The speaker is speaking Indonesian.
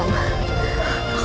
aku bisa merasakannya